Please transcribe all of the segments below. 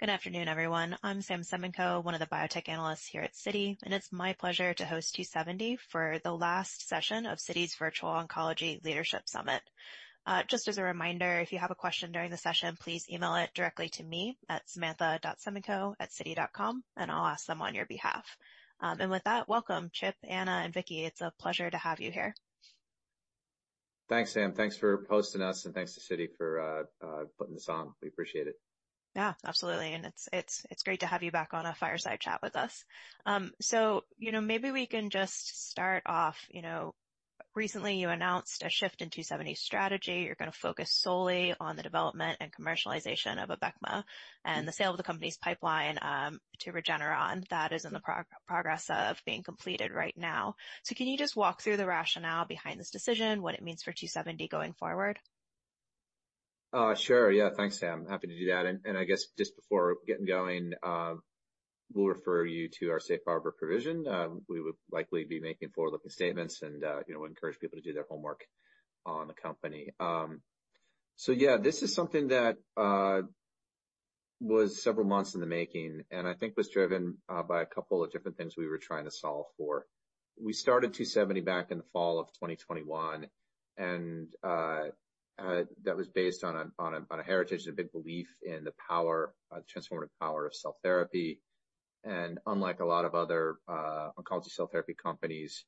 Good afternoon, everyone. I'm Sam Semenkow, one of the biotech analysts here at Citi, and it's my pleasure to host 2seventy for the last session of Citi's Virtual Oncology Leadership Summit. Just as a reminder, if you have a question during the session, please email it directly to me at samantha.semenkow@citi.com, and I'll ask them on your behalf. And with that, welcome, Chip, Anna, and Vicki. It's a pleasure to have you here. Thanks, Sam. Thanks for hosting us, and thanks to Citi for putting this on. We appreciate it. Yeah, absolutely. And it's great to have you back on a fireside chat with us. So maybe we can just start off. Recently, you announced a shift in 2seventy's strategy. You're going to focus solely on the development and commercialization of ABECMA and the sale of the company's pipeline to Regeneron. That is in the progress of being completed right now. So can you just walk through the rationale behind this decision, what it means for 2seventy going forward? Sure. Yeah, thanks, Sam. Happy to do that. I guess just before getting going, we'll refer you to our Safe Harbor provision. We would likely be making forward-looking statements, and we encourage people to do their homework on the company. So yeah, this is something that was several months in the making, and I think was driven by a couple of different things we were trying to solve for. We started 2seventy back in the fall of 2021, and that was based on a heritage and a big belief in the transformative power of cell therapy. And unlike a lot of other oncology cell therapy companies,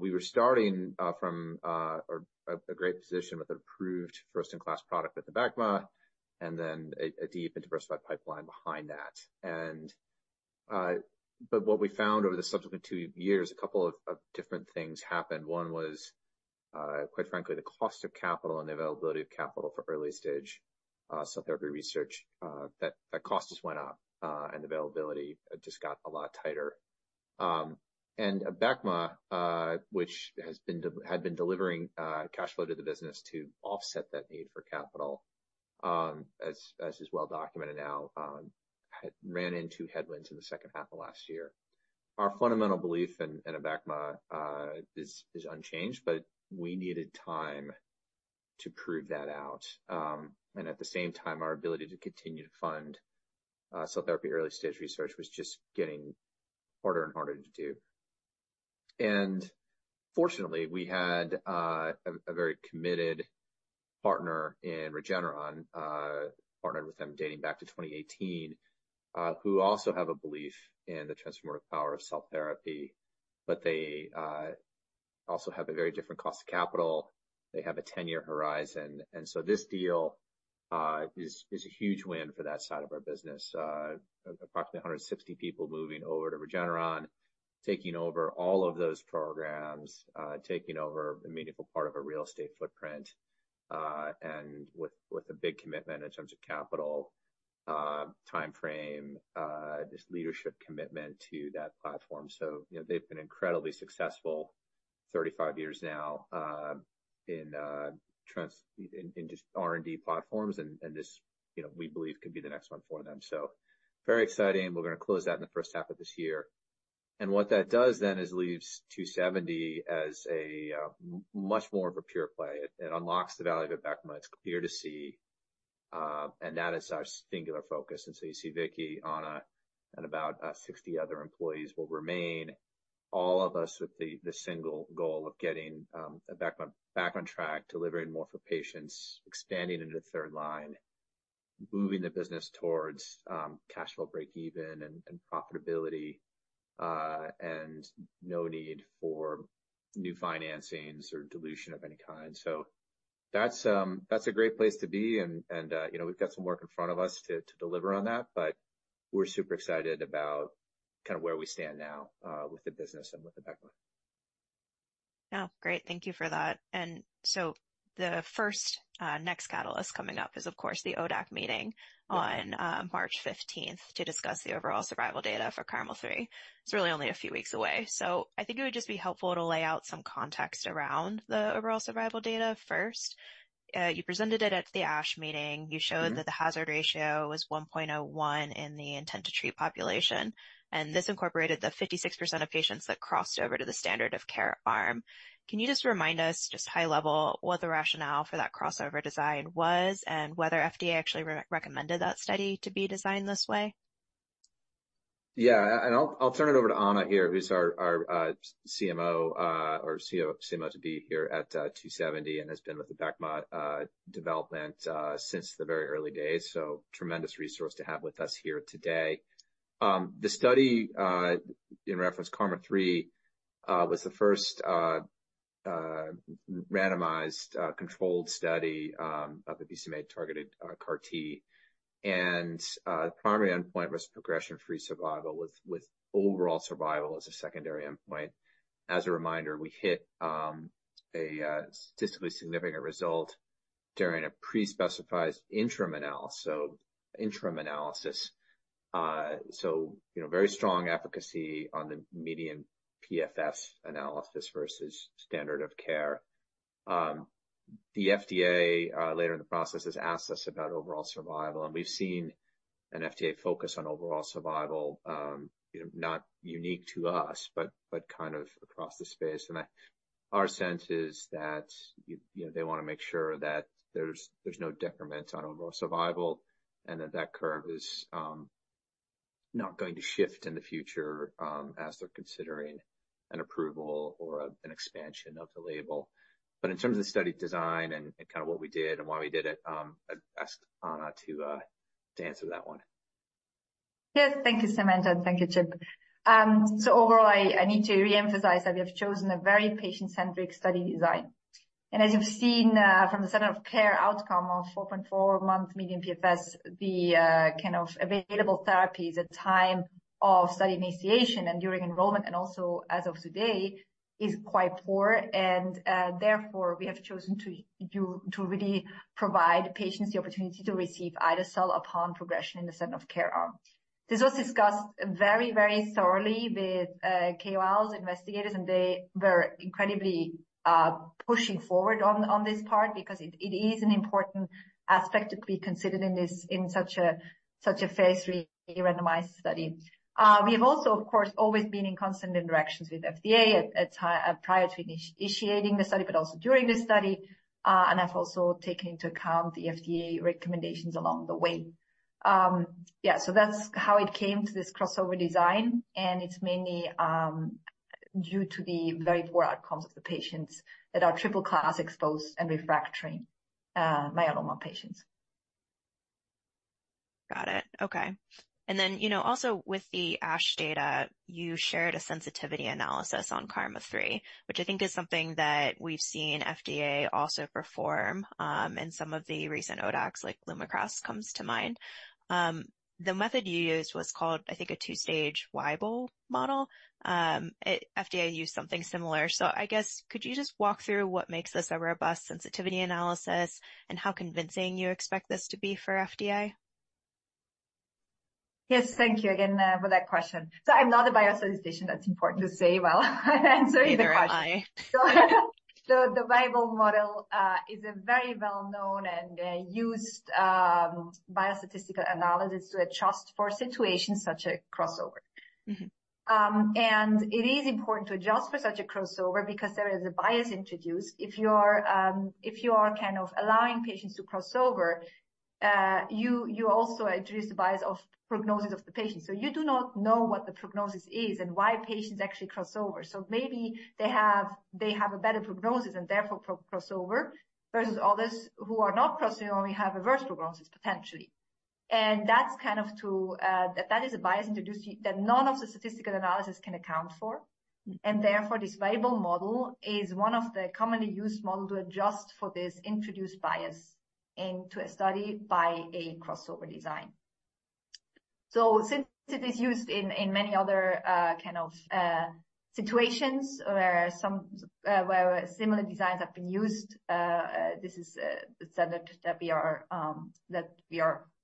we were starting from a great position with an approved first-in-class product with ABECMA and then a deep and diversified pipeline behind that. But what we found over the subsequent two years, a couple of different things happened. One was, quite frankly, the cost of capital and the availability of capital for early-stage cell therapy research. That cost just went up, and the availability just got a lot tighter. And ABECMA, which had been delivering cash flow to the business to offset that need for capital, as is well documented now, ran into headwinds in the second half of last year. Our fundamental belief in ABECMA is unchanged, but we needed time to prove that out. And at the same time, our ability to continue to fund cell therapy early-stage research was just getting harder and harder to do. And fortunately, we had a very committed partner in Regeneron, partnered with them dating back to 2018, who also have a belief in the transformative power of cell therapy, but they also have a very different cost of capital. They have a 10-year horizon. So this deal is a huge win for that side of our business, approximately 160 people moving over to Regeneron, taking over all of those programs, taking over a meaningful part of a real estate footprint, and with a big commitment in terms of capital, timeframe, just leadership commitment to that platform. So they've been incredibly successful 35 years now in just R&D platforms, and this, we believe, could be the next one for them. So very exciting. We're going to close that in the first half of this year. And what that does then is leaves 2seventy as much more of a pure play. It unlocks the value of ABECMA. It's clear to see. And that is our singular focus. So you see Vicki, Anna, and about 60 other employees will remain, all of us with the single goal of getting ABECMA back on track, delivering more for patients, expanding into the third line, moving the business towards cash flow break-even and profitability, and no need for new financings or dilution of any kind. So that's a great place to be, and we've got some work in front of us to deliver on that, but we're super excited about kind of where we stand now with the business and with ABECMA. Yeah, great. Thank you for that. And so the first next catalyst coming up is, of course, the ODAC meeting on March 15th to discuss the overall survival data for KarMMa-3. It's really only a few weeks away. So I think it would just be helpful to lay out some context around the overall survival data first. You presented it at the ASH meeting. You showed that the hazard ratio was 1.01 in the intent-to-treat population. And this incorporated the 56% of patients that crossed over to the standard of care arm. Can you just remind us, just high level, what the rationale for that crossover design was and whether FDA actually recommended that study to be designed this way? Yeah. I'll turn it over to Anna here, who's our CMO or CMO to be here at 2seventy and has been with the ABECMA development since the very early days. So tremendous resource to have with us here today. The study, in reference to KarMMa-3, was the first randomized controlled study of a BCMA-targeted CAR-T. The primary endpoint was progression-free survival with overall survival as a secondary endpoint. As a reminder, we hit a statistically significant result during a pre-specified interim analysis. So very strong efficacy on the median PFS analysis versus standard of care. The FDA, later in the process, has asked us about overall survival. We've seen an FDA focus on overall survival, not unique to us, but kind of across the space. Our sense is that they want to make sure that there's no detriment on overall survival and that that curve is not going to shift in the future as they're considering an approval or an expansion of the label. But in terms of the study design and kind of what we did and why we did it, I'd ask Anna to answer that one. Yes. Thank you, Samantha. Thank you, Chip. So overall, I need to reemphasize that we have chosen a very patient-centric study design. As you've seen from the standard of care outcome of 4.4-month median PFS, the kind of available therapies at the time of study initiation and during enrollment and also as of today is quite poor. Therefore, we have chosen to really provide patients the opportunity to receive ide-cel upon progression in the standard of care arm. This was discussed very, very thoroughly with KOLs, investigators, and they were incredibly pushing forward on this part because it is an important aspect to be considered in such a phase III randomized study. We have also, of course, always been in constant interactions with FDA prior to initiating the study, but also during the study, and have also taken into account the FDA recommendations along the way. Yeah. That's how it came to this crossover design. It's mainly due to the very poor outcomes of the patients that are triple-class exposed and refractory myeloma patients. Got it. Okay. And then also with the ASH data, you shared a sensitivity analysis on KarMMa-3, which I think is something that we've seen FDA also perform in some of the recent ODACs, like LUMAKRAS comes to mind. The method you used was called, I think, a two-stage Weibull model. FDA used something similar. So I guess, could you just walk through what makes this a robust sensitivity analysis and how convincing you expect this to be for FDA? Yes. Thank you again for that question. So I'm not a biostatistician. That's important to say while answering the question. Neither am I. The Weibull model is a very well-known and used biostatistical analysis to adjust for situations such as crossover. It is important to adjust for such a crossover because there is a bias introduced. If you are kind of allowing patients to crossover, you also introduce the bias of prognosis of the patient. You do not know what the prognosis is and why patients actually crossover. Maybe they have a better prognosis and therefore crossover versus others who are not crossing only have reverse prognosis, potentially. That's kind of to that is a bias introduced that none of the statistical analysis can account for. Therefore, this Weibull model is one of the commonly used models to adjust for this introduced bias into a study by a crossover design. So since it is used in many other kind of situations where similar designs have been used, this is the standard that we are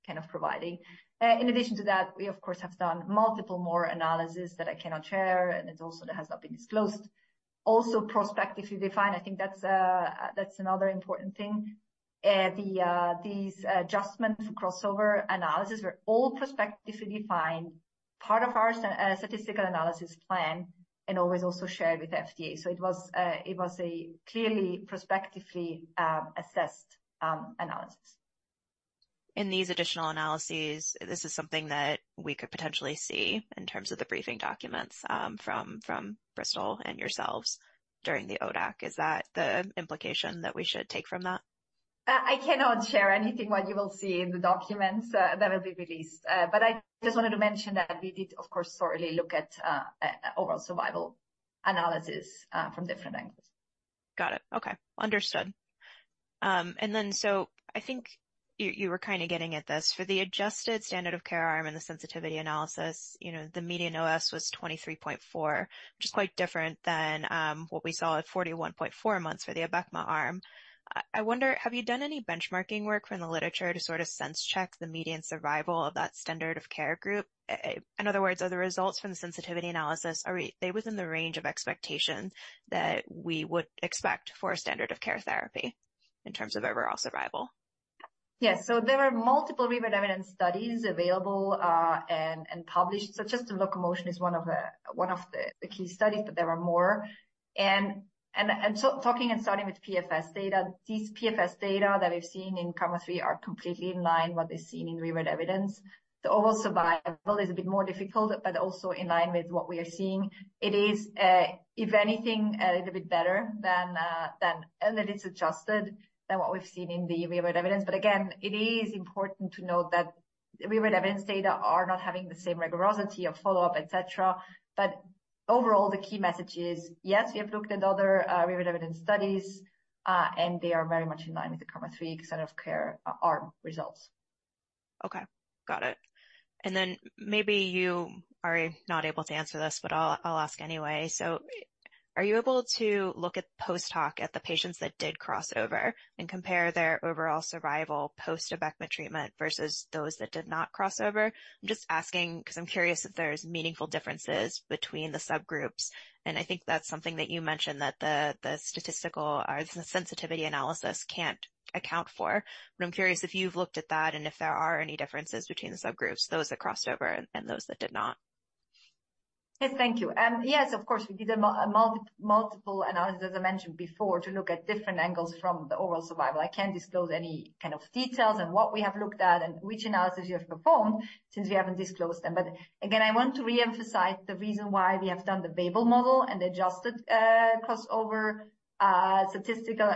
kind of providing. In addition to that, we, of course, have done multiple more analyses that I cannot share, and it also has not been disclosed. Also, prospectively defined, I think that's another important thing. These adjustments for crossover analysis were all prospectively defined, part of our statistical analysis plan, and always also shared with FDA. So it was a clearly prospectively assessed analysis. In these additional analyses, this is something that we could potentially see in terms of the briefing documents from Bristol and yourselves during the ODAC. Is that the implication that we should take from that? I cannot share anything what you will see in the documents that will be released. But I just wanted to mention that we did, of course, thoroughly look at overall survival analysis from different angles. Got it. Okay. Understood. And then so I think you were kind of getting at this. For the adjusted standard of care arm and the sensitivity analysis, the median OS was 23.4, which is quite different than what we saw at 41.4 months for the ABECMA arm. I wonder, have you done any benchmarking work from the literature to sort of sense-check the median survival of that standard of care group? In other words, are the results from the sensitivity analysis, are they within the range of expectations that we would expect for a standard of care therapy in terms of overall survival? Yes. So there are multiple real-world evidence studies available and published. So just the LocoMMotion is one of the key studies, but there are more. And talking and starting with PFS data, these PFS data that we've seen in KarMMa-3 are completely in line with what they've seen in real-world evidence. The overall survival is a bit more difficult, but also in line with what we are seeing. It is, if anything, a little bit better than and it is adjusted than what we've seen in the real-world evidence. But again, it is important to note that real-world evidence data are not having the same rigor of follow-up, etc. But overall, the key message is, yes, we have looked at other real-world evidence studies, and they are very much in line with the KarMMa-3 standard of care arm results. Okay. Got it. And then maybe you are not able to answer this, but I'll ask anyway. So are you able to look at post hoc at the patients that did crossover and compare their overall survival post-ABECMA treatment versus those that did not crossover? I'm just asking because I'm curious if there's meaningful differences between the subgroups. And I think that's something that you mentioned, that the statistical or the sensitivity analysis can't account for. But I'm curious if you've looked at that and if there are any differences between the subgroups, those that crossed over and those that did not. Yes. Thank you. Yes, of course, we did multiple analyses, as I mentioned before, to look at different angles from the overall survival. I can't disclose any kind of details and what we have looked at and which analysis we have performed since we haven't disclosed them. But again, I want to reemphasize the reason why we have done the Weibull model and the adjusted crossover statistical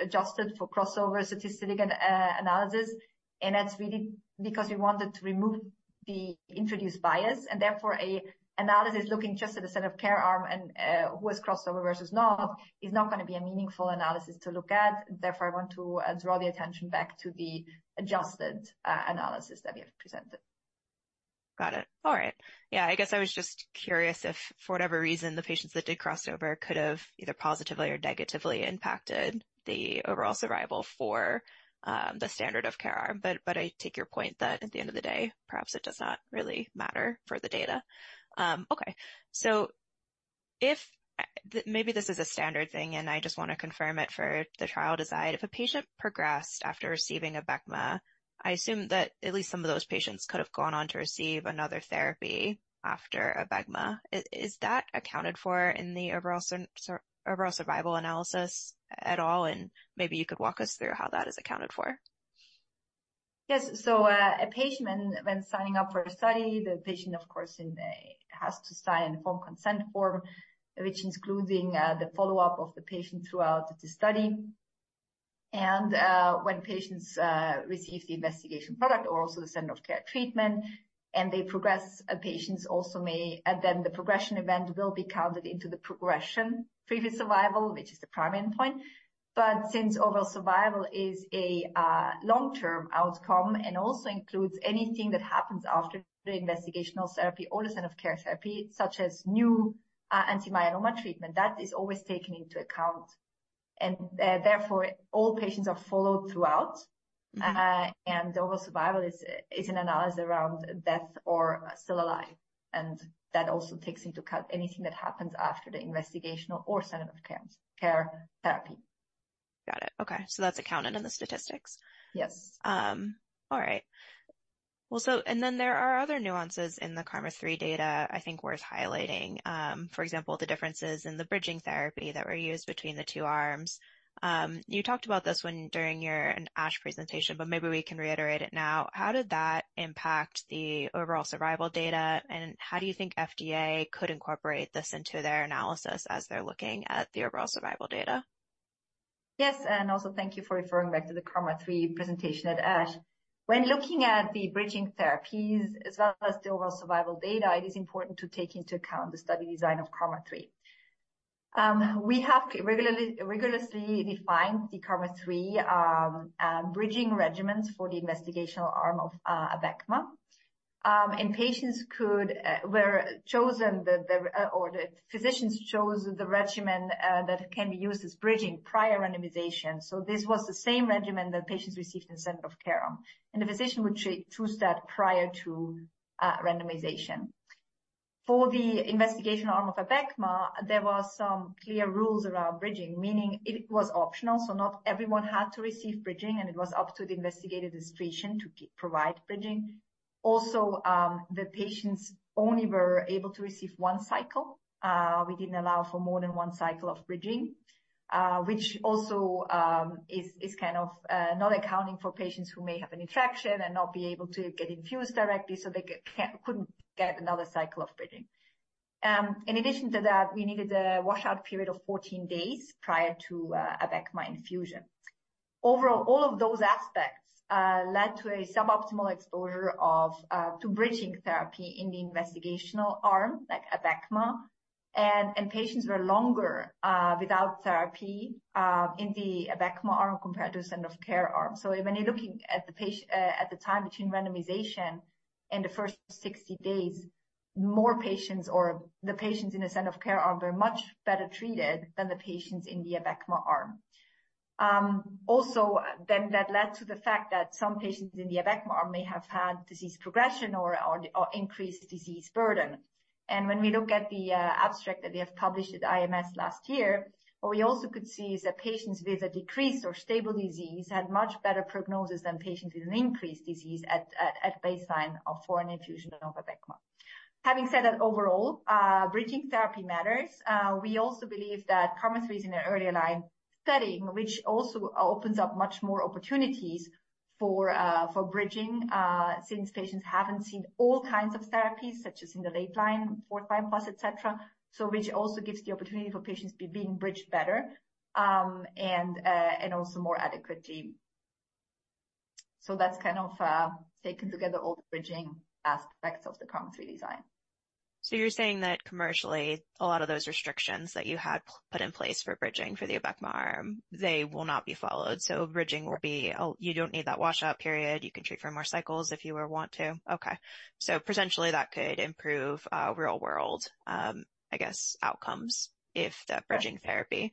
adjusted for crossover statistic analysis. And that's really because we wanted to remove the introduced bias. And therefore, an analysis looking just at the set of care arm and who has crossover versus not is not going to be a meaningful analysis to look at. Therefore, I want to draw the attention back to the adjusted analysis that we have presented. Got it. All right. Yeah. I guess I was just curious if, for whatever reason, the patients that did crossover could have either positively or negatively impacted the overall survival for the standard of care arm. But I take your point that at the end of the day, perhaps it does not really matter for the data. Okay. So maybe this is a standard thing, and I just want to confirm it for the trial design. If a patient progressed after receiving ABECMA, I assume that at least some of those patients could have gone on to receive another therapy after ABECMA. Is that accounted for in the overall survival analysis at all? And maybe you could walk us through how that is accounted for. Yes. So a patient, when signing up for a study, the patient, of course, has to sign a consent form, which is including the follow-up of the patient throughout the study. And when patients receive the investigational product or also the standard of care treatment and they progress, the progression event will be counted into the progression-free survival, which is the primary endpoint. But since overall survival is a long-term outcome and also includes anything that happens after the investigational therapy or the standard of care therapy, such as new anti-myeloma treatment, that is always taken into account. And therefore, all patients are followed throughout. And overall survival is an analysis around death or still alive. And that also takes into account anything that happens after the investigational or standard of care therapy. Got it. Okay. So that's accounted in the statistics. Yes. All right. Well, so and then there are other nuances in the KarMMa-3 data I think worth highlighting. For example, the differences in the bridging therapy that were used between the two arms. You talked about this during your ASH presentation, but maybe we can reiterate it now. How did that impact the overall survival data? And how do you think FDA could incorporate this into their analysis as they're looking at the overall survival data? Yes. Also thank you for referring back to the KarMMa-3 presentation at ASH. When looking at the bridging therapies as well as the overall survival data, it is important to take into account the study design of KarMMa-3. We have rigorously defined the KarMMa-3 bridging regimens for the investigational arm of ABECMA. Patients could, where chosen, or the physicians chose the regimen that can be used as bridging prior randomization. So this was the same regimen that patients received in the standard of care arm. The physician would choose that prior to randomization. For the investigational arm of ABECMA, there were some clear rules around bridging, meaning it was optional. So not everyone had to receive bridging, and it was up to the investigator's discretion to provide bridging. Also, the patients only were able to receive one cycle. We didn't allow for more than one cycle of bridging, which also is kind of not accounting for patients who may have an infection and not be able to get infused directly, so they couldn't get another cycle of bridging. In addition to that, we needed a washout period of 14 days prior to ABECMA infusion. Overall, all of those aspects led to a suboptimal exposure to bridging therapy in the investigational arm, like ABECMA. Patients were longer without therapy in the ABECMA arm compared to the standard of care arm. When you're looking at the time between randomization and the first 60 days, more patients or the patients in the standard of care arm were much better treated than the patients in the ABECMA arm. Also, then that led to the fact that some patients in the ABECMA arm may have had disease progression or increased disease burden. And when we look at the abstract that we have published at IMS last year, what we also could see is that patients with a decreased or stable disease had much better prognosis than patients with an increased disease at baseline prior to infusion of ABECMA. Having said that overall, bridging therapy matters. We also believe that KarMMa-3 is in an early line setting, which also opens up much more opportunities for bridging since patients haven't seen all kinds of therapies, such as in the late line, fourth line plus, etc., so which also gives the opportunity for patients to be being bridged better and also more adequately. So that's kind of taken together all the bridging aspects of the KarMMa-3 design. So you're saying that commercially, a lot of those restrictions that you had put in place for bridging for the ABECMA arm, they will not be followed. So bridging will be you don't need that washout period. You can treat for more cycles if you ever want to. Okay. So potentially, that could improve real-world, I guess, outcomes if that bridging therapy.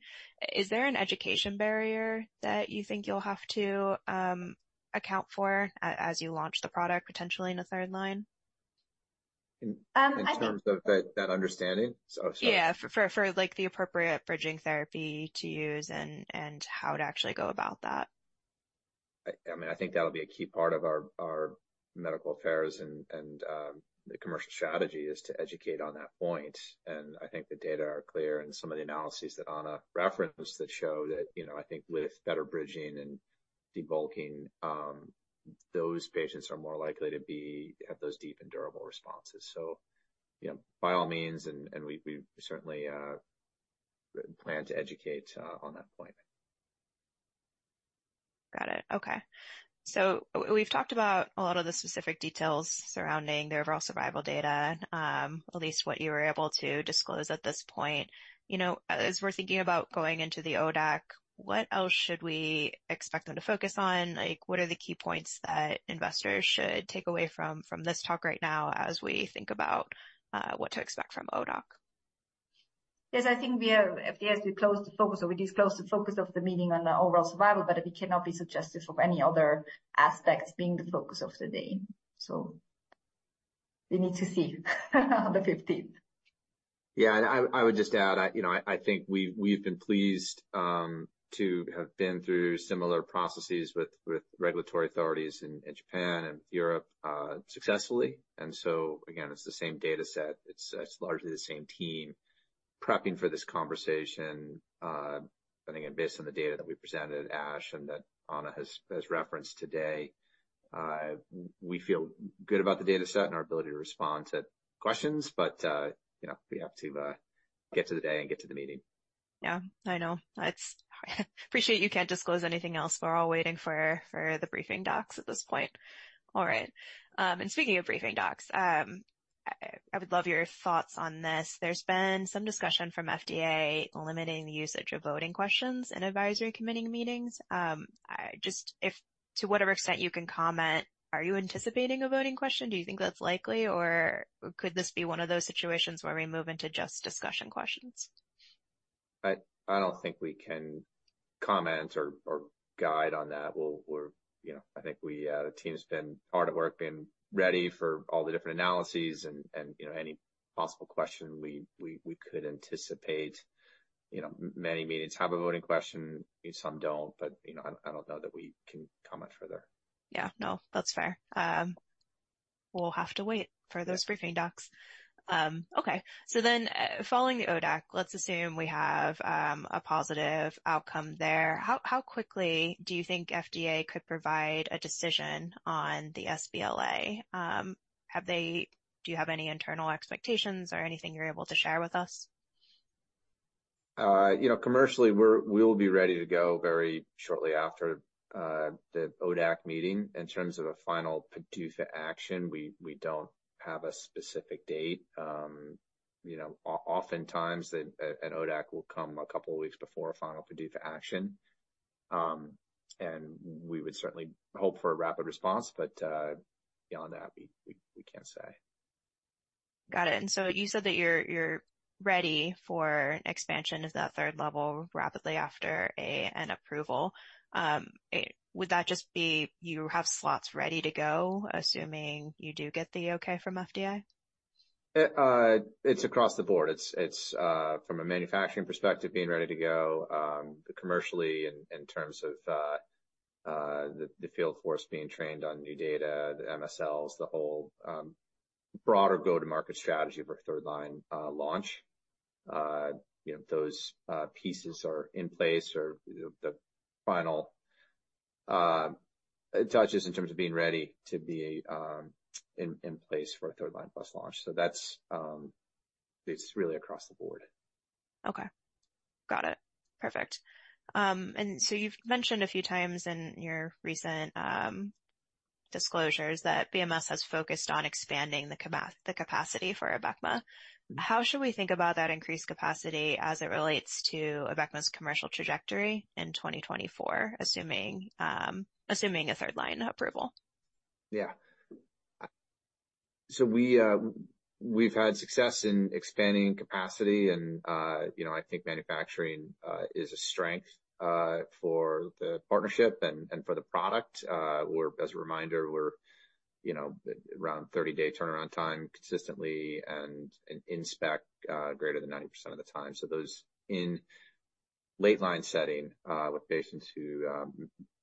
Is there an education barrier that you think you'll have to account for as you launch the product, potentially, in a third line? In terms of that understanding? Yeah. For the appropriate bridging therapy to use and how to actually go about that. I mean, I think that'll be a key part of our medical affairs and the commercial strategy is to educate on that point. I think the data are clear. Some of the analyses that Anna referenced that show that I think with better bridging and debulking, those patients are more likely to have those deep and durable responses. By all means, and we certainly plan to educate on that point. Got it. Okay. So we've talked about a lot of the specific details surrounding the overall survival data, at least what you were able to disclose at this point. As we're thinking about going into the ODAC, what else should we expect them to focus on? What are the key points that investors should take away from this talk right now as we think about what to expect from ODAC? Yes. I think we have yes, we closed the focus or we disclosed the focus of the meeting on the overall survival, but it cannot be suggested for any other aspects being the focus of the day. So we need to see on the 15th. Yeah. And I would just add, I think we've been pleased to have been through similar processes with regulatory authorities in Japan and Europe successfully. And so again, it's the same dataset. It's largely the same team prepping for this conversation. And again, based on the data that we presented at ASH and that Anna has referenced today, we feel good about the dataset and our ability to respond to questions. But we have to get to the day and get to the meeting. Yeah. I know. I appreciate you can't disclose anything else. We're all waiting for the briefing docs at this point. All right. And speaking of briefing docs, I would love your thoughts on this. There's been some discussion from FDA limiting the usage of voting questions in advisory committee meetings. Just to whatever extent you can comment, are you anticipating a voting question? Do you think that's likely, or could this be one of those situations where we move into just discussion questions? I don't think we can comment or guide on that. I think the team's been hard at work being ready for all the different analyses. And any possible question, we could anticipate many meetings have a voting question. Some don't. But I don't know that we can comment further. Yeah. No, that's fair. We'll have to wait for those briefing docs. Okay. So then following the ODAC, let's assume we have a positive outcome there. How quickly do you think FDA could provide a decision on the sBLA? Do you have any internal expectations or anything you're able to share with us? Commercially, we'll be ready to go very shortly after the ODAC meeting. In terms of a final PDUFA action, we don't have a specific date. Oftentimes, an ODAC will come a couple of weeks before a final PDUFA action. We would certainly hope for a rapid response, but beyond that, we can't say. Got it. You said that you're ready for an expansion of that third level rapidly after an approval. Would that just be you have slots ready to go, assuming you do get the okay from FDA? It's across the board. It's from a manufacturing perspective, being ready to go. Commercially, in terms of the field force being trained on new data, the MSLs, the whole broader go-to-market strategy for third-line launch, those pieces are in place or the final touches in terms of being ready to be in place for a third-line plus launch. So it's really across the board. Okay. Got it. Perfect. And so you've mentioned a few times in your recent disclosures that BMS has focused on expanding the capacity for ABECMA. How should we think about that increased capacity as it relates to ABECMA's commercial trajectory in 2024, assuming a third-line approval? Yeah. So we've had success in expanding capacity. I think manufacturing is a strength for the partnership and for the product. As a reminder, we're around 30-day turnaround time consistently and inspect greater than 90% of the time. So those in late-line setting with patients who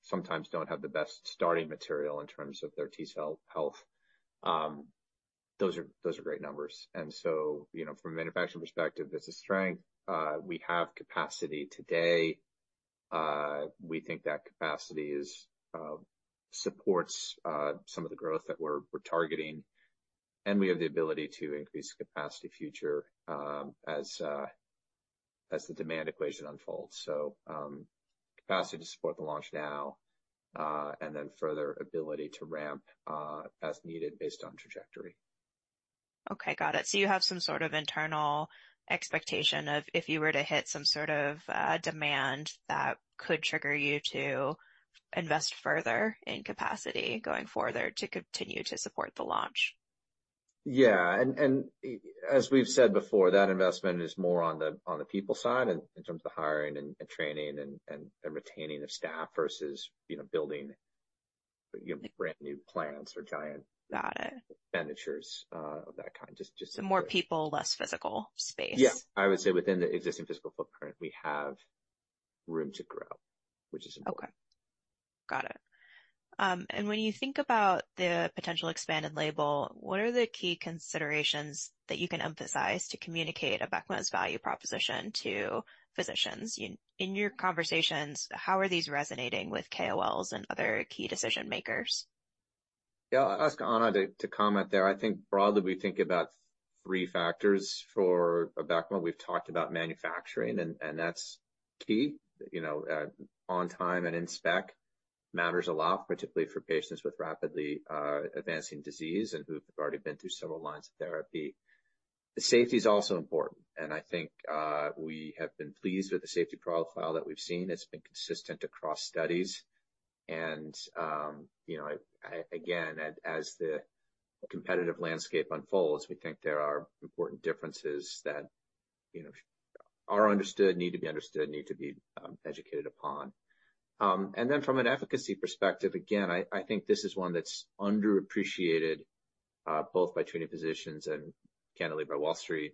sometimes don't have the best starting material in terms of their T-cell health, those are great numbers. And so from a manufacturing perspective, it's a strength. We have capacity today. We think that capacity supports some of the growth that we're targeting. And we have the ability to increase capacity future as the demand equation unfolds. So capacity to support the launch now and then further ability to ramp as needed based on trajectory. Okay. Got it. So you have some sort of internal expectation of if you were to hit some sort of demand that could trigger you to invest further in capacity going forward to continue to support the launch? Yeah. As we've said before, that investment is more on the people side in terms of the hiring and training and retaining of staff versus building brand new plants or giant expenditures of that kind. Just. More people, less physical space. Yeah. I would say within the existing physical footprint, we have room to grow, which is important. Okay. Got it. And when you think about the potential expanded label, what are the key considerations that you can emphasize to communicate ABECMA's value proposition to physicians? In your conversations, how are these resonating with KOLs and other key decision-makers? Yeah. I'll ask Anna to comment there. I think broadly, we think about three factors for ABECMA. We've talked about manufacturing, and that's key. On-time and in-spec matters a lot, particularly for patients with rapidly advancing disease and who've already been through several lines of therapy. Safety is also important. And I think we have been pleased with the safety profile that we've seen. It's been consistent across studies. And again, as the competitive landscape unfolds, we think there are important differences that are understood, need to be understood, need to be educated upon. And then from an efficacy perspective, again, I think this is one that's underappreciated both by treating physicians and candidly by Wall Street.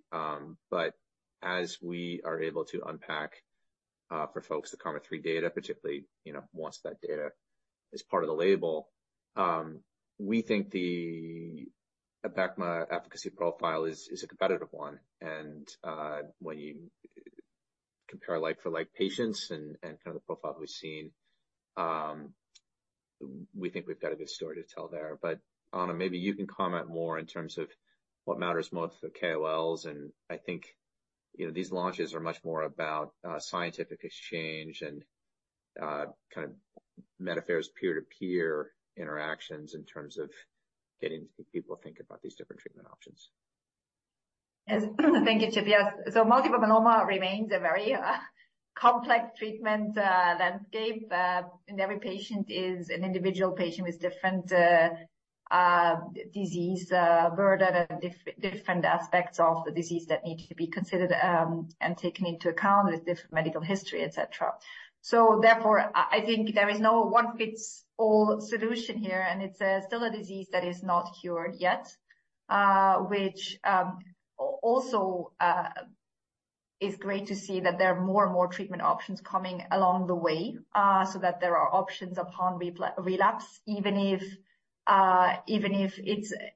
But as we are able to unpack for folks the KarMMa-3 data, particularly once that data is part of the label, we think the ABECMA efficacy profile is a competitive one. When you compare like-for-like patients and kind of the profile we've seen, we think we've got a good story to tell there. But Anna, maybe you can comment more in terms of what matters most for KOLs. I think these launches are much more about scientific exchange and kind of med affairs peer-to-peer interactions in terms of getting people to think about these different treatment options. Yes. Thank you, Chip. Yes. So multiple myeloma remains a very complex treatment landscape. And every patient is an individual patient with different disease burden and different aspects of the disease that need to be considered and taken into account with different medical history, etc. So therefore, I think there is no one-size-fits-all solution here. And it's still a disease that is not cured yet, which also is great to see that there are more and more treatment options coming along the way so that there are options upon relapse, even if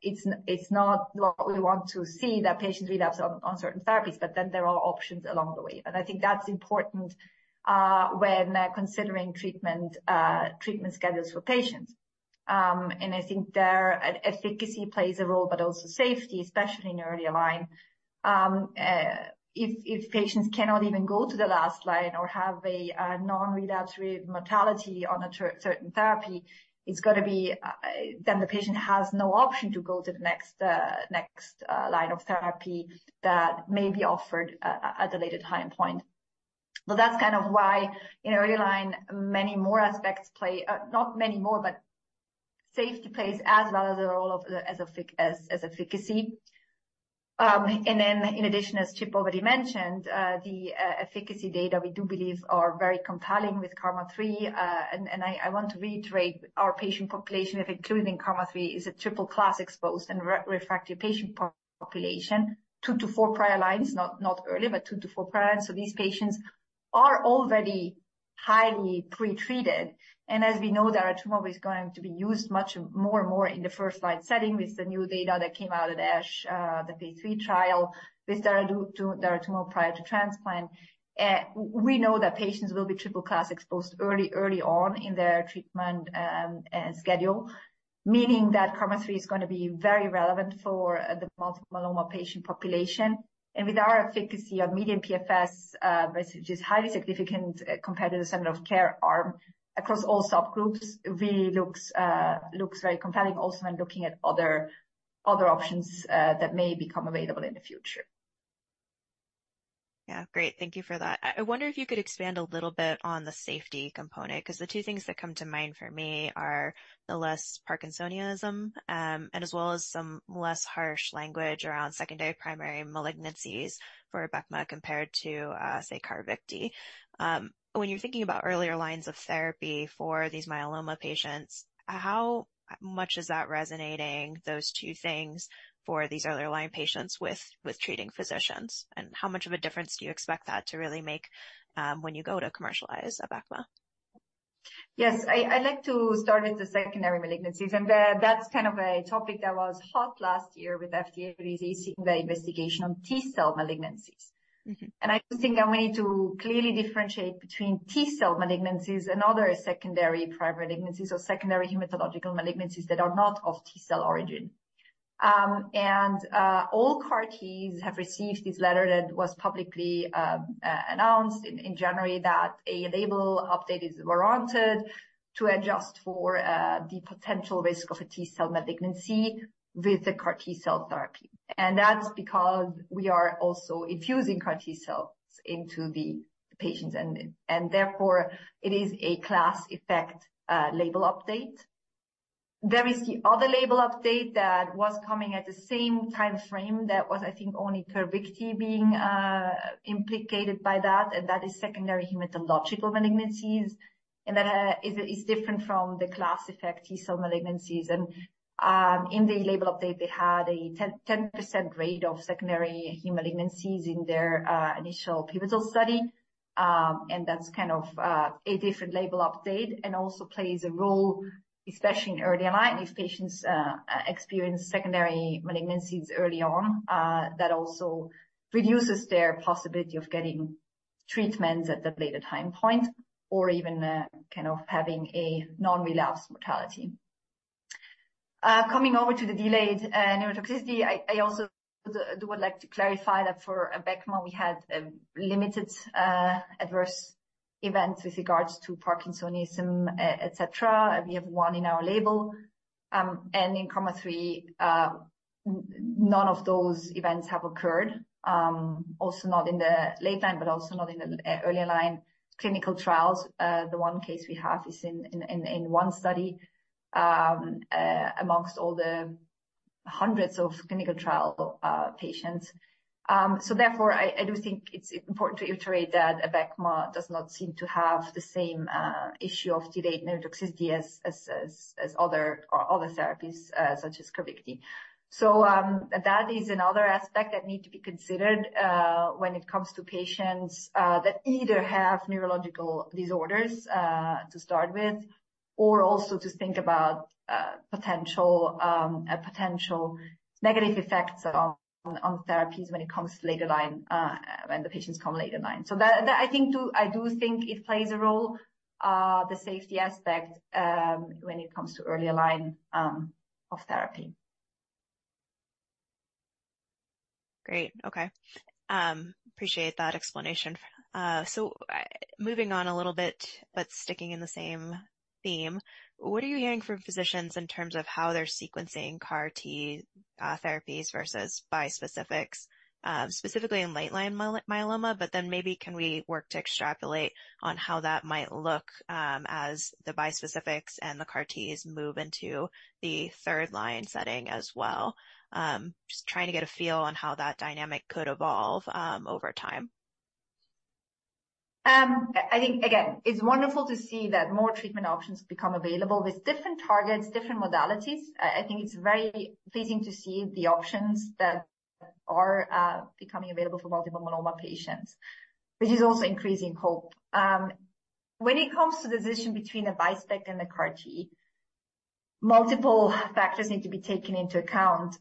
it's not what we want to see, that patients relapse on certain therapies. But then there are options along the way. And I think that's important when considering treatment schedules for patients. And I think their efficacy plays a role, but also safety, especially in early line. If patients cannot even go to the last line or have a non-relapse rate mortality on a certain therapy, it's going to be then the patient has no option to go to the next line of therapy that may be offered at a later time point. So that's kind of why in early line, many more aspects play not many more, but safety plays as well as the role of as efficacy. And then in addition, as Chip already mentioned, the efficacy data, we do believe, are very compelling with KarMMa-3. And I want to reiterate, our patient population, including KarMMa-3, is a triple-class exposed and refractory patient population, 2-4 prior lines, not early, but 2-4 prior lines. So these patients are already highly pretreated. As we know, daratumumab is going to be used much more and more in the first-line setting with the new data that came out at ASH, the phase III trial, with daratumumab prior to transplant. We know that patients will be triple-class exposed early on in their treatment schedule, meaning that KarMMa-3 is going to be very relevant for the multiple myeloma patient population. And with our efficacy on median PFS, which is highly significant compared to the standard of care arm across all subgroups, really looks very compelling also when looking at other options that may become available in the future. Yeah. Great. Thank you for that. I wonder if you could expand a little bit on the safety component because the two things that come to mind for me are the less parkinsonianism and as well as some less harsh language around secondary primary malignancies for ABECMA compared to, say, CARVYKTI. When you're thinking about earlier lines of therapy for these myeloma patients, how much is that resonating, those two things, for these earlier line patients with treating physicians? And how much of a difference do you expect that to really make when you go to commercialize ABECMA? Yes. I like to start with the secondary malignancies. And that's kind of a topic that was hot last year with FDA releasing the investigation on T-cell malignancies. And I just think that we need to clearly differentiate between T-cell malignancies and other secondary prior malignancies or secondary hematological malignancies that are not of T-cell origin. And all CAR-Ts have received this letter that was publicly announced in January that a label update is warranted to adjust for the potential risk of a T-cell malignancy with the CAR-T cell therapy. And that's because we are also infusing CAR-T cells into the patients. And therefore, it is a class effect label update. There is the other label update that was coming at the same time frame that was, I think, only CARVYKTI being implicated by that. And that is secondary hematological malignancies. That is different from the class effect T-cell malignancies. In the label update, they had a 10% rate of secondary malignancies in their initial pivotal study. That's kind of a different label update and also plays a role, especially in early line, if patients experience secondary malignancies early on. That also reduces their possibility of getting treatments at a later time point or even kind of having a non-relapse mortality. Coming over to the delayed neurotoxicity, I also would like to clarify that for ABECMA, we had limited adverse events with regards to parkinsonism, etc. We have one in our label. In KarMMa-3, none of those events have occurred. Also not in the late line, but also not in the early line clinical trials. The one case we have is in one study amongst all the hundreds of clinical trial patients. So therefore, I do think it's important to iterate that ABECMA does not seem to have the same issue of delayed neurotoxicity as other therapies such as CARVYKTI. So that is another aspect that needs to be considered when it comes to patients that either have neurological disorders to start with or also to think about potential negative effects on therapies when it comes to later line when the patients come later line. So I do think it plays a role, the safety aspect, when it comes to early line of therapy. Great. Okay. Appreciate that explanation. So moving on a little bit, but sticking in the same theme, what are you hearing from physicians in terms of how they're sequencing CAR-T therapies versus bispecifics, specifically in late-line myeloma? But then maybe can we work to extrapolate on how that might look as the bispecifics and the CAR-Ts move into the third-line setting as well? Just trying to get a feel on how that dynamic could evolve over time. I think, again, it's wonderful to see that more treatment options become available with different targets, different modalities. I think it's very pleasing to see the options that are becoming available for multiple myeloma patients, which is also increasing hope. When it comes to the decision between the bispecific and the CAR-T, multiple factors need to be taken into account.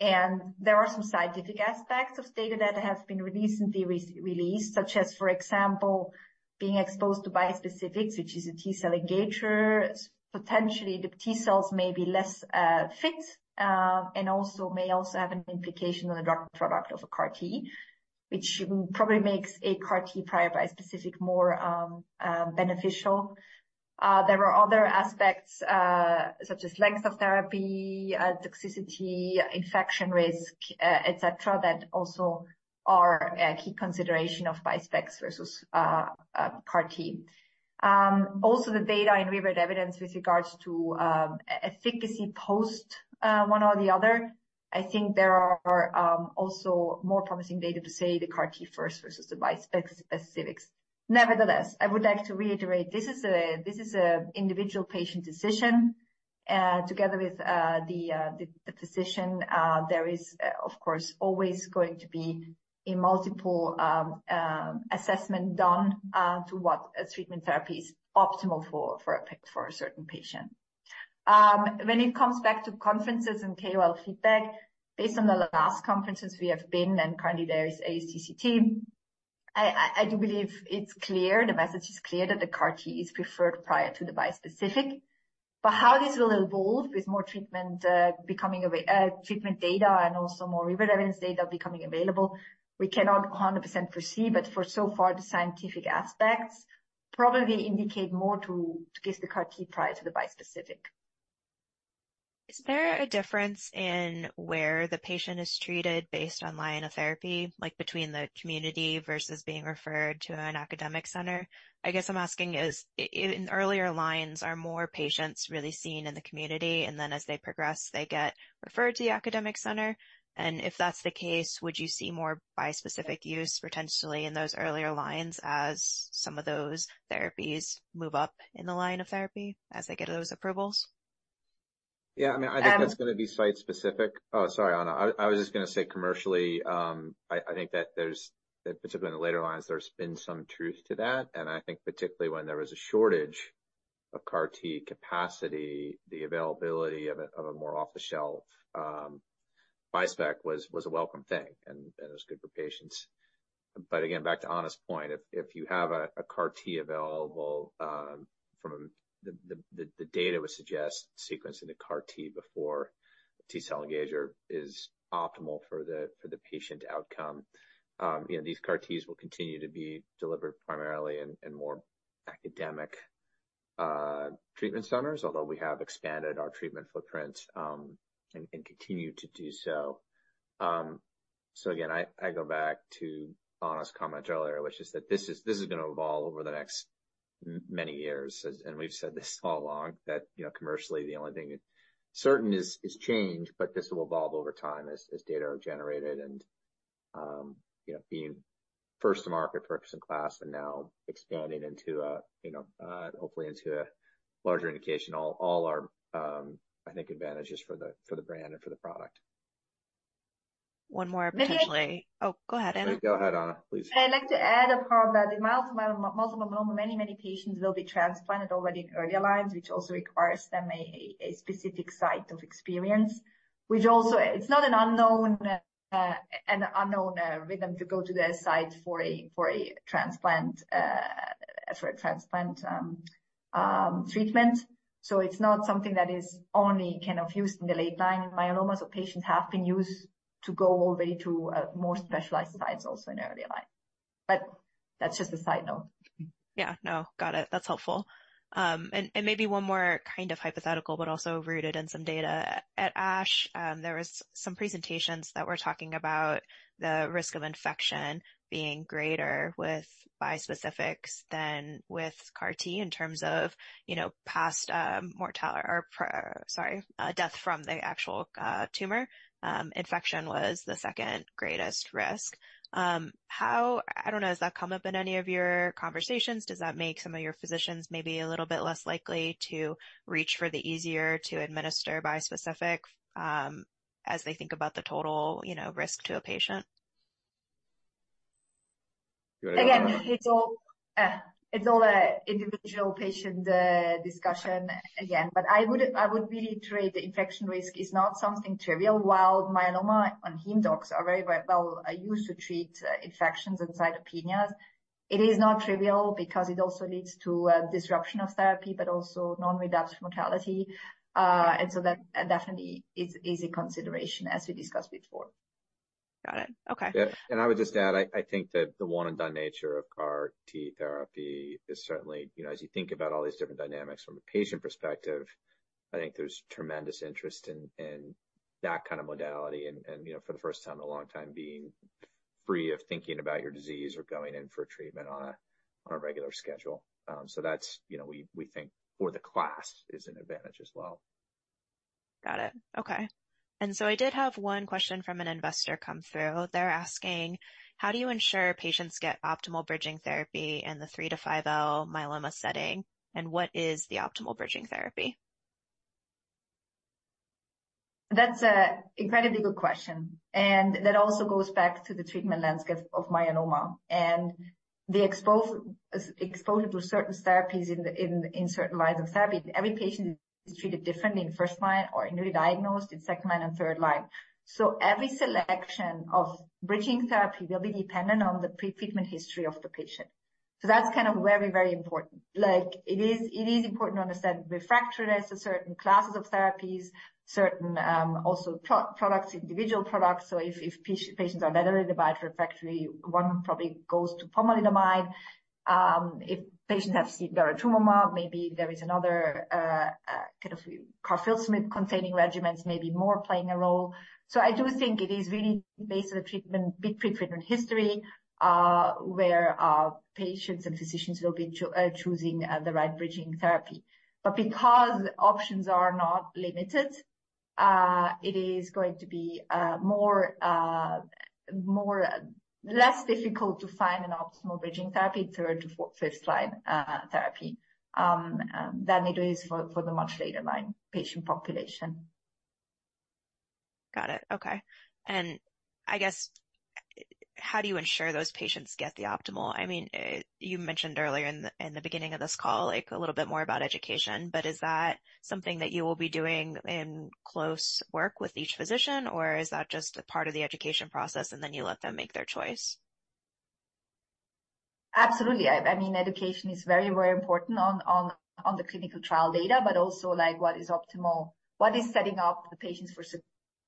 There are some scientific aspects of data that have been recently released, such as, for example, being exposed to bispecifics, which is a T-cell engager. Potentially, the T-cells may be less fit and also have an implication on the drug product of a CAR-T, which probably makes a CAR-T prior bispecific more beneficial. There are other aspects such as length of therapy, toxicity, infection risk, etc., that also are a key consideration of bispecs versus CAR-T. Also, the data and real-world evidence with regards to efficacy post one or the other, I think there are also more promising data to say the CAR-T first versus the bispecifics. Nevertheless, I would like to reiterate, this is an individual patient decision. Together with the physician, there is, of course, always going to be a multiple assessment done to what treatment therapy is optimal for a certain patient. When it comes back to conferences and KOL feedback, based on the last conferences we have been and currently there is ASTCT, I do believe it's clear, the message is clear that the CAR-T is preferred prior to the bispecifics. But how this will evolve with more treatment data and also more real-world evidence data becoming available, we cannot 100% foresee. But for so far, the scientific aspects probably indicate more to give the CAR-T prior to the bispecifics. Is there a difference in where the patient is treated based on line of therapy, like between the community versus being referred to an academic center? I guess I'm asking is in earlier lines, are more patients really seen in the community? And then as they progress, they get referred to the academic center? And if that's the case, would you see more bispecific use potentially in those earlier lines as some of those therapies move up in the line of therapy as they get those approvals? Yeah. I mean, I think that's going to be site-specific. Oh, sorry, Anna. I was just going to say commercially, I think that particularly in the later lines, there's been some truth to that. And I think particularly when there was a shortage of CAR-T capacity, the availability of a more off-the-shelf bispecific was a welcome thing and was good for patients. But again, back to Anna's point, if you have a CAR-T available from the data would suggest sequencing the CAR-T before T-cell engager is optimal for the patient outcome. These CAR-Ts will continue to be delivered primarily in more academic treatment centers, although we have expanded our treatment footprint and continue to do so. So again, I go back to Anna's comment earlier, which is that this is going to evolve over the next many years. We've said this all along, that commercially, the only thing certain is change, but this will evolve over time as data are generated and being first-to-market, first-in-class, and now expanding into hopefully into a larger indication. All are, I think, advantages for the brand and for the product. One more potentially. Oh, go ahead, Anna. Go ahead, Anna, please. I'd like to add a part that the multiple myeloma, many, many patients will be transplanted already in earlier lines, which also requires them a specific site of experience, which also it's not an unknown regimen to go to the site for a transplant for a transplant treatment. So it's not something that is only kind of used in the late line in myeloma. So patients have been used to go already to more specialized sites also in early line. But that's just a side note. Yeah. No. Got it. That's helpful. And maybe one more kind of hypothetical, but also rooted in some data. At ASH, there were some presentations that were talking about the risk of infection being greater with bispecifics than with CAR-T in terms of past mortality or, sorry, death from the actual tumor. Infection was the second greatest risk. I don't know. Has that come up in any of your conversations? Does that make some of your physicians maybe a little bit less likely to reach for the easier to administer bispecific as they think about the total risk to a patient? Again, it's all an individual patient discussion, again. But I would really say the infection risk is not something trivial. While myeloma hematologists are very well used to treat infections and cytopenias, it is not trivial because it also leads to disruption of therapy, but also increased mortality. And so that definitely is a consideration as we discussed before. Got it. Okay. Yeah. And I would just add, I think the one-and-done nature of CAR-T therapy is certainly, as you think about all these different dynamics from a patient perspective, I think there's tremendous interest in that kind of modality and for the first time in a long time being free of thinking about your disease or going in for treatment on a regular schedule. So that's, we think, for the class is an advantage as well. Got it. Okay. And so I did have one question from an investor come through. They're asking, "How do you ensure patients get optimal bridging therapy in the 3-5L myeloma setting? And what is the optimal bridging therapy?" That's an incredibly good question. That also goes back to the treatment landscape of myeloma. The exposure to certain therapies in certain lines of therapy, every patient is treated differently in first line or newly diagnosed in second line and third line. Every selection of bridging therapy will be dependent on the pre-treatment history of the patient. That's kind of very, very important. It is important to understand refractory as a certain classes of therapies, certain also products, individual products. If patients are lenalidomide refractory, one probably goes to pomalidomide. If patients have seen daratumumab, maybe there is another kind of carfilzomib-containing regimens, maybe more playing a role. I do think it is really based on the treatment, big pre-treatment history where patients and physicians will be choosing the right bridging therapy. But because options are not limited, it is going to be less difficult to find an optimal bridging therapy, third to fifth line therapy, than it is for the much later line patient population. Got it. Okay. And I guess, how do you ensure those patients get the optimal? I mean, you mentioned earlier in the beginning of this call a little bit more about education. But is that something that you will be doing in close work with each physician, or is that just a part of the education process and then you let them make their choice? Absolutely. I mean, education is very, very important on the clinical trial data, but also what is optimal, what is setting up the patients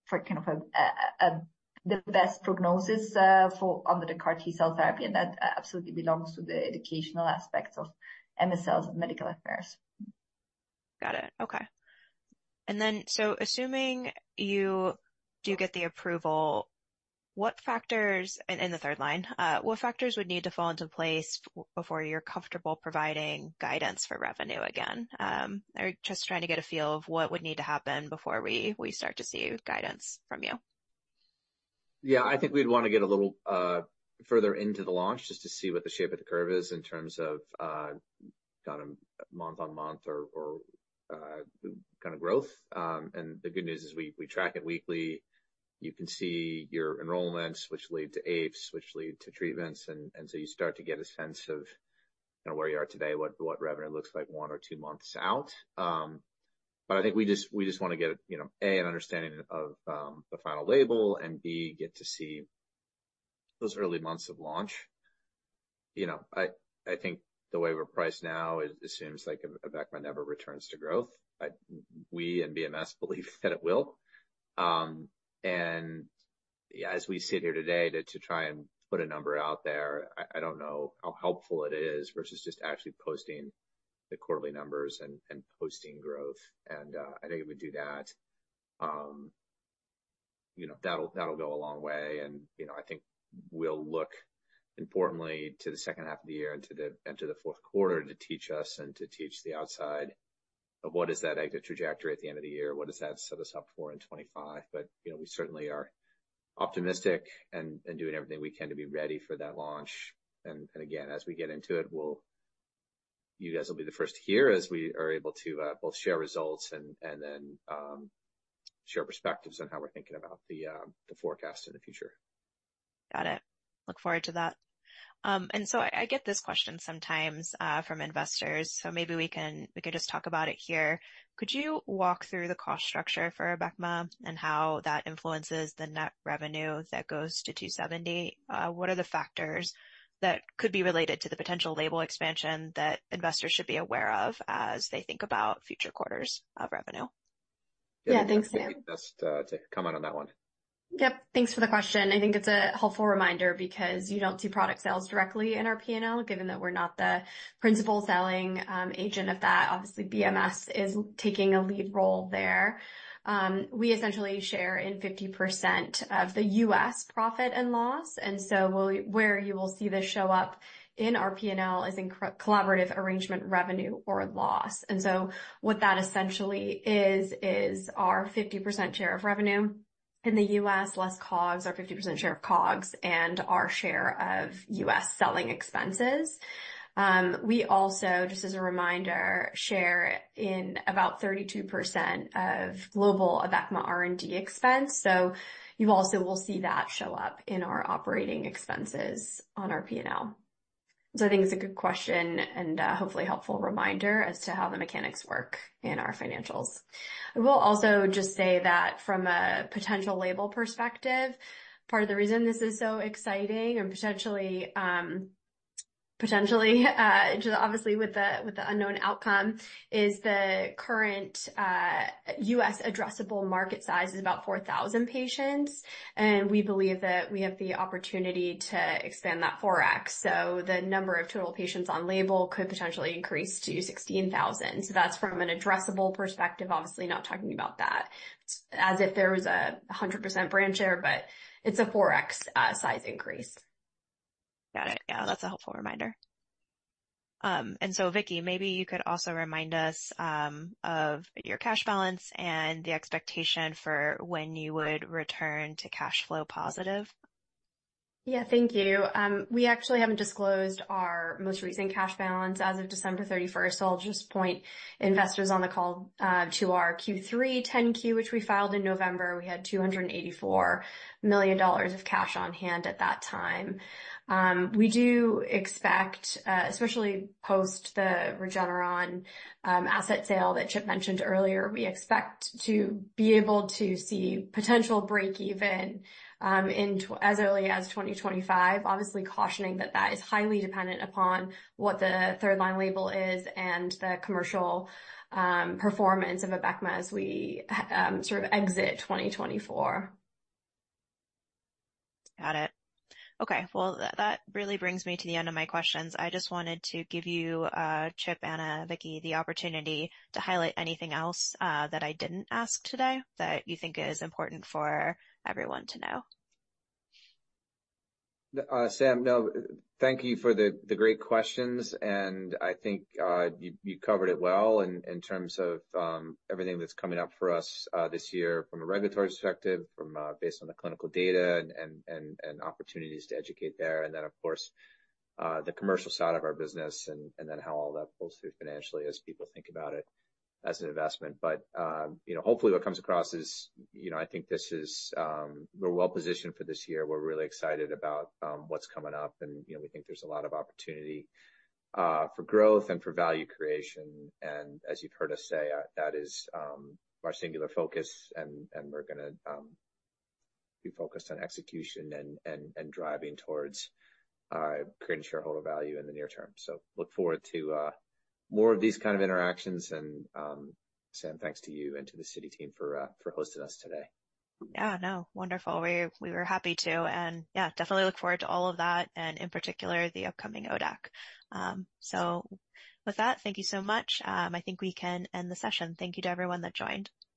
for kind of the best prognosis under the CAR-T cell therapy. That absolutely belongs to the educational aspects of MSLs and medical affairs. Got it. Okay. Assuming you do get the approval, what factors in the third line, what factors would need to fall into place before you're comfortable providing guidance for revenue again? I'm just trying to get a feel of what would need to happen before we start to see guidance from you. Yeah. I think we'd want to get a little further into the launch just to see what the shape of the curve is in terms of kind of month-on-month or kind of growth. And the good news is we track it weekly. You can see your enrollments, which lead to AIFs, which lead to treatments. And so you start to get a sense of kind of where you are today, what revenue looks like one or two months out. But I think we just want to get A, an understanding of the final label, and B, get to see those early months of launch. I think the way we're priced now assumes a vector never returns to growth. We and BMS believe that it will. As we sit here today to try and put a number out there, I don't know how helpful it is versus just actually posting the quarterly numbers and posting growth. I think if we do that, that'll go a long way. I think we'll look importantly to the second half of the year and to the fourth quarter to teach us and to teach the outside of what is that exit trajectory at the end of the year? What does that set us up for in 2025? But we certainly are optimistic and doing everything we can to be ready for that launch. Again, as we get into it, you guys will be the first to hear as we are able to both share results and then share perspectives on how we're thinking about the forecast in the future. Got it. Look forward to that. And so I get this question sometimes from investors. So maybe we can just talk about it here. Could you walk through the cost structure for ABECMA and how that influences the net revenue that goes to 2seventy? What are the factors that could be related to the potential label expansion that investors should be aware of as they think about future quarters of revenue? Yeah. Thanks, Sam. I think it's best to comment on that one. Yep. Thanks for the question. I think it's a helpful reminder because you don't see product sales directly in our P&L, given that we're not the principal selling agent of that. Obviously, BMS is taking a lead role there. We essentially share in 50% of the U.S. profit and loss. And so where you will see this show up in our P&L is in collaborative arrangement revenue or loss. And so what that essentially is, is our 50% share of revenue in the U.S., less COGS, our 50% share of COGS, and our share of U.S. selling expenses. We also, just as a reminder, share in about 32% of global ABECMA R&D expense. So you also will see that show up in our operating expenses on our P&L. So I think it's a good question and hopefully helpful reminder as to how the mechanics work in our financials. I will also just say that from a potential label perspective, part of the reason this is so exciting and potentially obviously with the unknown outcome is the current U.S. addressable market size is about 4,000 patients. We believe that we have the opportunity to expand that 4x. The number of total patients on label could potentially increase to 16,000. That's from an addressable perspective, obviously not talking about that as if there was a 100% market share, but it's a 4x size increase. Got it. Yeah. That's a helpful reminder. So, Vicki, maybe you could also remind us of your cash balance and the expectation for when you would return to cash flow positive. Yeah. Thank you. We actually haven't disclosed our most recent cash balance as of December 31st. So I'll just point investors on the call to our Q3 10-Q, which we filed in November. We had $284 million of cash on hand at that time. We do expect, especially post the Regeneron asset sale that Chip mentioned earlier, we expect to be able to see potential break-even as early as 2025, obviously cautioning that that is highly dependent upon what the third-line label is and the commercial performance of ABECMA as we sort of exit 2024. Got it. Okay. Well, that really brings me to the end of my questions. I just wanted to give you, Chip, Anna, Vicki, the opportunity to highlight anything else that I didn't ask today that you think is important for everyone to know. Sam, no. Thank you for the great questions. I think you covered it well in terms of everything that's coming up for us this year from a regulatory perspective, based on the clinical data and opportunities to educate there. Then, of course, the commercial side of our business and then how all that pulls through financially as people think about it as an investment. But hopefully, what comes across is I think we're well-positioned for this year. We're really excited about what's coming up. We think there's a lot of opportunity for growth and for value creation. As you've heard us say, that is our singular focus. We're going to be focused on execution and driving towards creating shareholder value in the near term. So look forward to more of these kinds of interactions. Sam, thanks to you and to the Citi team for hosting us today. Yeah. No. Wonderful. We were happy to. And yeah, definitely look forward to all of that, and in particular, the upcoming ODAC. So with that, thank you so much. I think we can end the session. Thank you to everyone that joined.